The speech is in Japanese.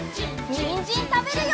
にんじんたべるよ！